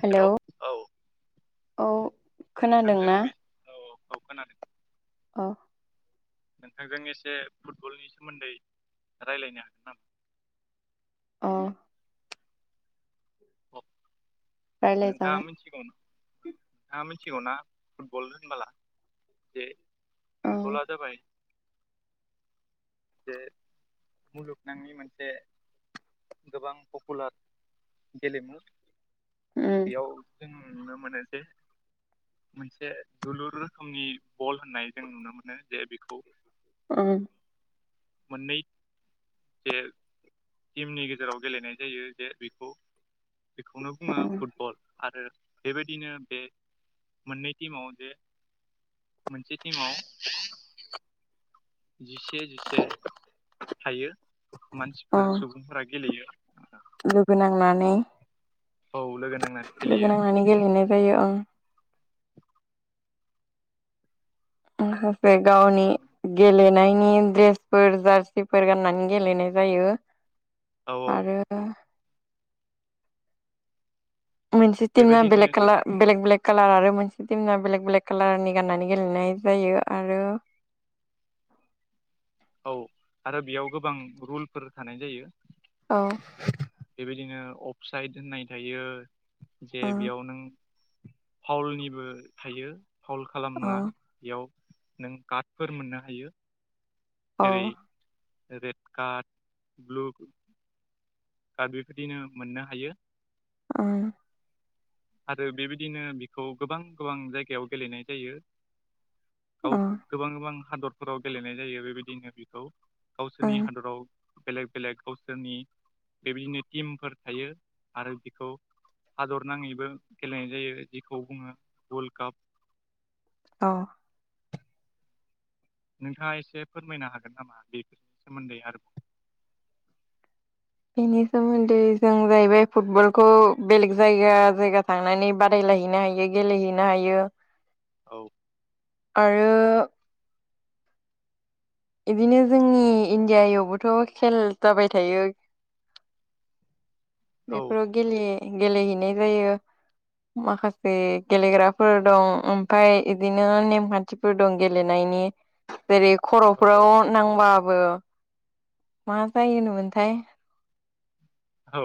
Hello hello औ औ नोंथांजों खोनादोंना [inaudible] औ औ खोनादों अ नोंथांजों एसे फुटबलनि सोमोन्दै रायलायनो हागोन नामा? अ नामा अ नोंथाङा रायलायजागोन मिथिगौ नोंथाङा मिथिगौना फुटबल होनबोला? जे औ फुटबला जाबाय बे मुलुगनांनि मोनसे गोबां पपुलार गेलेमु उम बेयाव जों नुनो मानो जे मोनसे जोलुर रोखोमनि बल होननाय जों नुनो मोनो जे बेखौ औ मोननै जे गेमनि गेजेराव गेलेनाय जायो जे बेखौ बेखौनो बुङो उम फुटबल आरो बेबायदिनो बे मोननै टिमाव जे मोनसे टिमाव [inaudible] जिसे जिसे थायो। औ मानसिफोर सुबुंफोरा गेलेयो। लोगो [unintelligible] औ लोनांनानै लोगो गेलियो नांनानै गेलेनाय जायो ओं माखासे गावनि गेलेनाय नि द्रेसफोर जार्सिफोर गाननानै गेलेनाय जायो। औ औ आरो मोनसे टिमा बेबायदिनो बेलेग खालार बेलेग बेलेग कालार आरो मोनसे टिमना बेलेक बेलेक कालारनि गाननानै गेलेनाय जायो आरो औ आरो बेयाव गोबां रुलफोर थानाय जायो औ बेबायदिनो अफसाइद होननाय थायो जे औ बेयाव नों फावलनिबो थायो फावल औ खालामनोङा बेयाव नों कार्डफोर मोननो हायो अ जेरै रेड कार्ड ब्लु कार्ड बेबायदिनो मोननो हायो ओ आरो बेबायदिनो बिखौ गोबां गोबां जायगायाव गेलेनाय जायो। गाव औ गोबां गोबां हादरफोराव गेलेनाय जायो बेबायदिनो बेखौ गावसोरनि ओं हादराव बेलेग बेलेग गावसोरनि बेबायदिनो टिमफोर थायो आरो बेखौ हादर नाङैबो गेलेनाय जायो जिखौ बुङो वर्ल्ड काप अ नोंथाङा एसे फोरमायनो हागोन नामा बेफोरनि सोमोन्दै आरोबाव बेनि सोमोन्दै जों जाहैबाय फुटबलखौ बेलेग जायगा जायगा थांनानै बादायलायो नो हायो गेलेहैनो हायो औ आरो बिदिनो जोंनि इण्डियायावबोथ' खेल जाबाय थायो [inaudible] औ बेफोराव गेले गेलेहैनाय जायो। माखासे गेलेग्राफोर दं ओमफ्राय बिदिनो नेमखानथिफोर दं गेलेनाय जेरै औ औ खर'फोराव नांबा ओ मा जायोमोनथाय औ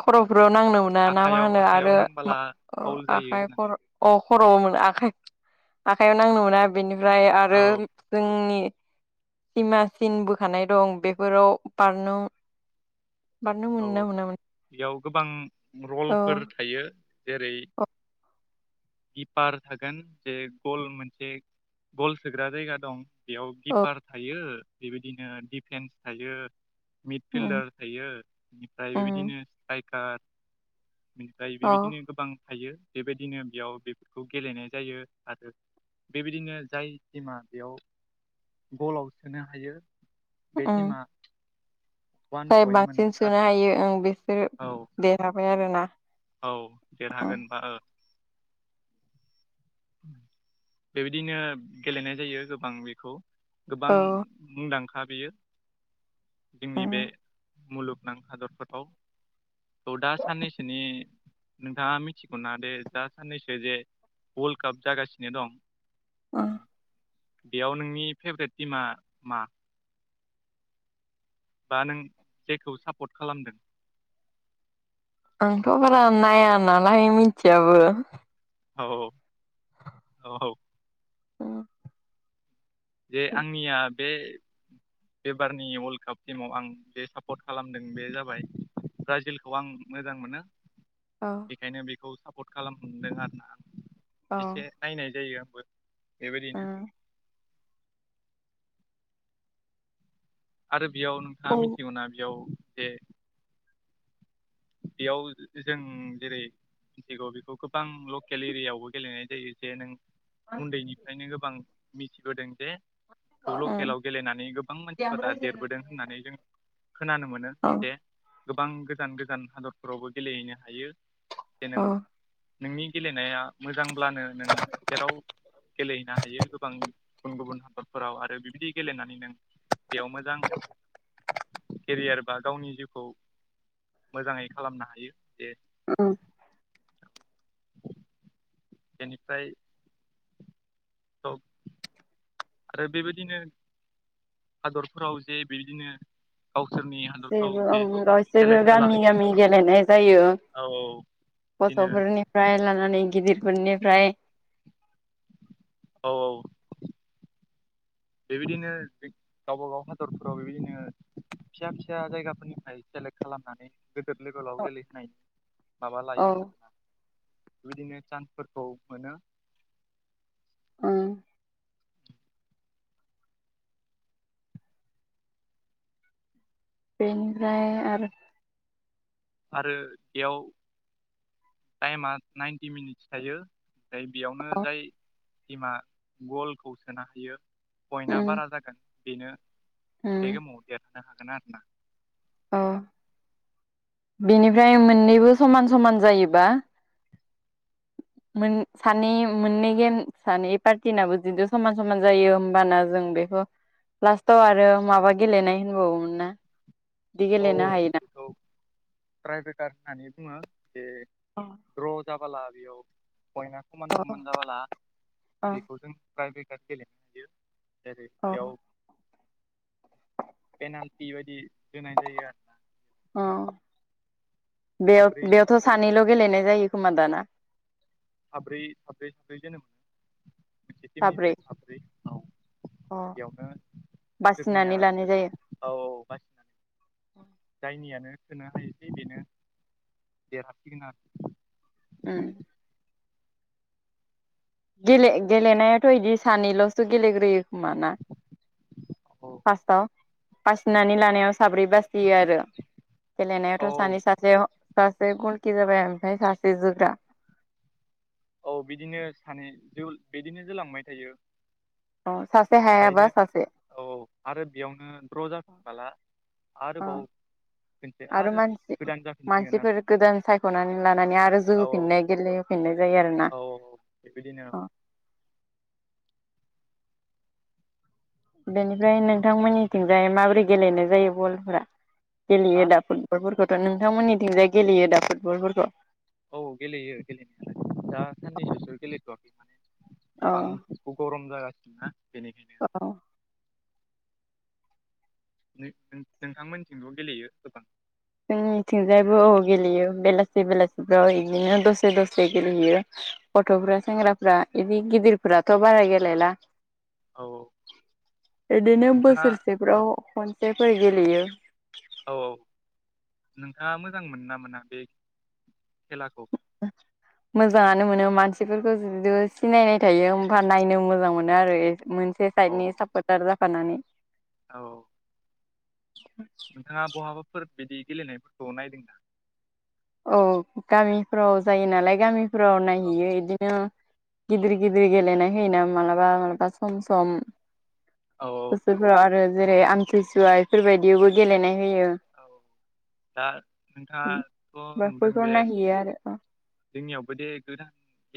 खर'फोराव नांनो मोना ना मा आखाइयाव होनो आखाइयाव आरो नांबोला फाउल जायो आखाइ होननानै खर' अ खर'आव मोन आखाइ आखाइयाव नांनो मोना बेनिफ्राय आरो औ जोंनि सिमासिन बोखानाय दं बेफोराव बारनो बारनो मोनो ना औ मोना मोन बेयाव गोबां रलफोर थायो जेरै औ गिपार थागोन जे गल मोनसे गल सोग्रा जायगा दं बेयाव औ किपार थायो बेबायदिनो दिफेन्स थायो। उम मिडफिल्डार थायो बेनिफ्राय उम बेबायदिनो स्ट्राइकार बेनिफ्राय औ बेबायदिनो गोबां थायो बेबायदिनो बेयाव बेफोरखौ गेलेनाय जायो आरो बेबायदिनो जाय टिमा बेयाव गलाव सोनो हायो बे उम टिमा वान जाय पइन्ट बांसिन मोनगोन सोनो आरोना हायो ओ बिसोरो औ देरहाबाय आरोना औ उम देरहागोन होनबा ओ बेबादिनो गेलेनाय जायो गोबां बेखौ गोबां औ मुंदांखा बेयो जोंनि बे उम मुलुगनां हादरफोराव थ'दा साननैसोनि नोंथांआ मिथिगौना दे दा‌ साननैसो जे वर्ल्ड काप जागासिनो दं उम बेआव नोंनि फेब्रेट टिमा मा? बा नों जेखौ सापट खालामदों आंथ' बारा नाया नालाय मिथिआबो औ औ औ औ जे आंनिआ बे बेबारनि वर्ल्ड काप टिमाव आं बे सापर्ट खालामदों बे जाबाय ब्राजिलखौ आं मोजां मोनो औ बेखायनो बेखौ सापट खालामदों आरो ना आं औ एसे नायनाय जायो बेबादिनो उम आरो बेआव नोंथांआ उम मिथिगौना बेयाव जे बेआव जों जेरै मिथिगौ बेखौ गोबां लकेल एरियाआवबो गेलेनाय जायो जे नों उन्दैनिफायनो गोबां मिथिबोदों जे जेखौ लकेलाव गेलेनानै गोबां मानसिफोरा देरबोदों होननानै जों खोनानो मोनो औ जे गोबां गोजान गोजान हादरफोरावबो गेलेहैनो हायो जे नों औ नोंनि गेलेनाया मोजांब्लानो नों जेराव गेलेहैनो हायो गोबां गुबुन गुबुन हादरफोराव आरो बिबादि गेलेनानै नों बेयाव मोजां केरियार बा गावनि जिउखौ मोजाङै खालामनो हायो जे औ बेनिफाय सब आरो बेबादिनो हादरफोराव जे बिबादिनो बेबो गासेैबो खाला गामि गामि गेलेनाय जायो औ औ बिदिनो गथ'फोरनिफ्राय लानानै गिदिरफोरनिफ्राय औ औ बेबादिनो गावबागाव हादरफोराव बेबादिनो फिसा फिसा जायगाफोरनिफाय सेलेक्ट खालामनानै गोदोर लेभेलाव औ गेलेहोनाय माबा लायो आरो ना बेबायदिनो चान्सफोरखौ मोनो ओम बेनिफ्राय आरो आरो बेयाव टाइमा नाइन्टि मिनिटस थायो जाय बेआवनो औ जाय टिमा गलखौ सोनो हायो पइन्टआ उम बारा जागोन बेनो उम बे गेमाव देरहानो हागोन आरोना [unintelligible] बेनिफाय मोननैबो समान समान जायोबा [inaudible] सानै मोननै गेम सानै पार्टिनाबो जदिु समान समान जायो होमबाना जों बेखौ लास्टाव आरो माबा गेलेनाय होनबावोमोन ना दि गेलेनो हायोना ट्राइभेकार होननानै बुङो जे द्र' जाबाला बेआव पइन्टआ समान अ समान जाबोला अ बेखौ जों ट्रायबेखार गेलेनो हायो ओरैनो अ बेआव पेनाल्टि बादि होनाय जायो आरो ना अ बेयाव बेयावथ' साब्रै सानैल' गेलेनाय औ जायो खोमा दाना। साब्रै साब्रै साब्रै जोनो मोनो मोनसे टिमनिफ्राय साब्रै औ बेयावनो सोरनिया बासिनानै लानाय सोर जायो औ औ बासिनानै जायनियानो सोनो हायोसै बेनो देरहासिगोन आरो। [unintelligible] गेले गेलेनायाथ' बिदि सानैल'सो गेलेग्रोयो। खोमा ना आरो फार्स्टआव बासिनानै लानायाव साब्रै बासियो आरो औ गेलेनायावथ' सानै सासे सासे गलखि जाबाय ओमफ्राय सासे जोग्रा औ बिदिनो सानै बिदिनो जोलांबाय थायो। अह ओंखायनो औ आरो बेयावनो द्र' जाफिनबोला अ आरोबाव खनसे आरो मानसि गोदान जाफिनसिगोन आरो मानसिफोर गोदान सायख'नानै लानानै आरो औ जोहोफिननाय गेलेयो। फिननाय जायो आरोना। औ औ बेबायदिनो औ [inaudible] बेनिफ्राय नोंथांमोननिथिंजाय माबोरै गेलेनाय जायो बलफोरा हा गेलेयो दा फुटबलफोरखौथ' नोंथांमोननिथिंजाय गेलेयो दा फुटबलफोरखौ औ गेलेयो गेलेनायालाय दा साननैसोसो गेलेथ'वाखै अ गोबां गरम जागासिनो ना। बेनिखायनो औ नोंथांमोनथिंथ' गेलेयो गोबां। जोंनिथिंजायो गेलेयो बेलासि बेलासिफ्राव बिदिनो दसे दसे गेलेहैयो। औ गथ'फ्रा सेंग्राफ्रा बिदि गिदिरफोराथ' बारा गेलेला औ बिदिनो नोंथाङा औ बोसोरसेफोराव खनसेफोर गेलेयो। औ नोंथाङा मोजां मोनो ना मोना। बे खेलाखौ मोजाङानो मोनो मान सिफोरखौ सिनायनाय थायो होमबा नायनो मोजां मोनो आरो। मोनसे औ साइडनि औ सापर्टार जाफानानै औ नोंथाङा बहाबाफोर बिदि गेलेनायफोरखौ नायदोंना? औ गामिफ्राव जायो नालाय गामिफ्राव औ नायहैयो बिदिनो गिदिर गिदिर गेलेनाय होयोना मालाबा मालाबा सम सम औ बोसोरफोराव आरो जेरै आमथिुसुवा बेफोरबायदियावबो गेलेनाय होयो। औ दा नोंथाङा नुदों माबाफोरखौ बे नायहैयो आरो अ जोंनियावबो दे गोदान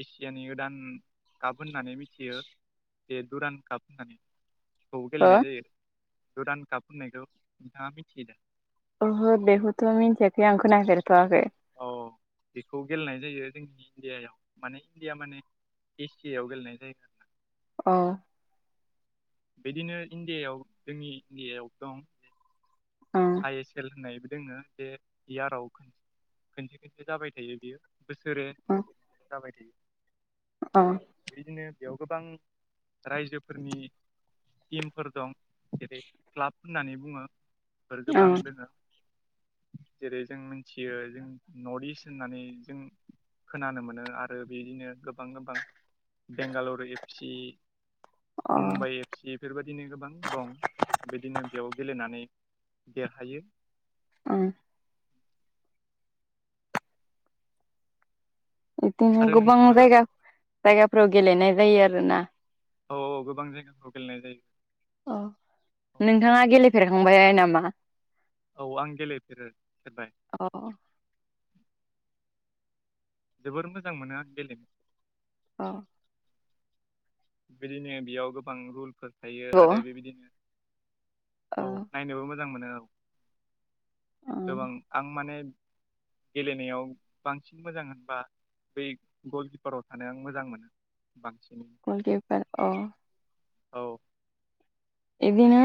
एसि यानि गोदान काप होननानै मिथियो जे दुरान काप होननानै खौ हो गेलेनाय जायो गोदान काप होननायखौ नोंथाङा मिथियो दा। ओहो बेखौथ' मिन्थियाखै आं खोनाफेरथ'वाखै औ बेखौ गेलेनाय जायो जोंनि इण्डियायाव माने इण्डिया माने एसियायाव गेलेनाय जायो ना। अह बिदिनो इण्डियायाव जोंनि इण्डियायाव दं अ आइ एस एल होननायबो दोङो बे इयाराव खनसे खनसे जाबाय थायो। बियो बोसोरे अ खनसे‌ खनसे जाबाय थायो। अ बिदिनो बेयाव गोबां रायजोफोरनि टिमफोर दं जेरै क्लाब होननानै बुङो बे अ गोबां दङो। जेरै जों मिथियो जों नर्थ इस्ट होननानै जों खोनानो मोनो आरो बिदिनो गोबां गोबां बेंगालरु एफ सि अ मुम्बाइ एफ सि बेफोरबायदिनो गोबां दं बे बिदिनो बेयाव गेलेनानै देरहायो। औ बिदिनो आरो गोबां नोंथाङा जायगा जायगाफोराव गेलेनाय जायो आरोना। औ औ गोबां जायगाफ्राव गेलेनाय जायो नोंथाङा गेलेफेरखांबाय नामा? औ आं गेलेफेरो फेरबाय अ जोबोर मोजां मोनो आं गेलेनो। अ। बेदिनो बेयाव गोबां रुलफोर थायो औ आरो बेबायदिनो अ औ नायनोबो मोजां मोनो औ अ गोबां आं माने। गेलेनायाव बांसिन मोजां होनबा। बै गलकिपाराव थानायानो मोजां मोनो बांसिनैनो आरो अ। औ। बिदिनो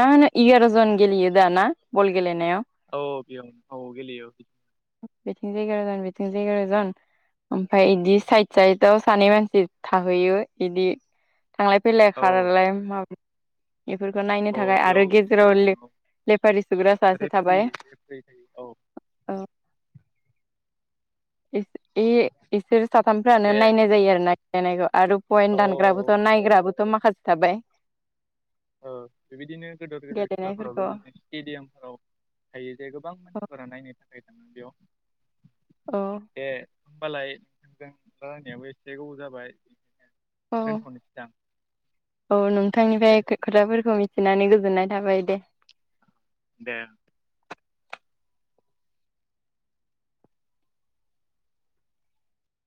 मा होनो एगार' जन गेलेयो दा ना बल गेलेनायाव। औ बे औ गेलेयो। बेटिं [unintelligible] बेटिं [unintelligible] ओमफ्राय बिदि साइद साइदआव सानै मानसि थाहैयो बिदि। थांलाय फैलाय औ खारालाय मा। बेफोरखौ नायनो औ थाखाय आरो बेयाव गेजेराव लेफारि सुग्रा सासे रेफ्रि थाबाय रेफ्रि थायो औ औ। इसोर साथामफ्रानो दे नायनाय जायो आरो ना गेलेनायखौ आरो औ औ पयेन्ट दानग्राबोथ' नायग्राबोथ' माखासे थाबाय। औ बेबायदिनो गेदेर गेदेर खेलाफोराव गेलेनायफोरखौ बिदिनो स्टेडियामफोराव। थायो जे गोबां औ मानसिफोरा नायनो थाखाय थाङो बेयाव। औ। दे होमबालाय नोंथांजों रायलायनायावो एसे गोबाव जाबाय औ बिदिनो दोनथ'नोसै दां। औ नोंथांनिफ्राय खोथाफोरखौ मिथिनानै गोजोननाय थाबाय दे। दे।